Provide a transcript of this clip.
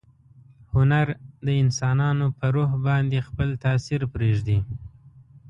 هنر د انسانانو په روح باندې خپل تاثیر پریږدي.